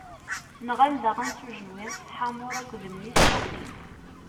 Nɣan daɣen s ujenwi, Ḥamur akked mmi-s Caxim.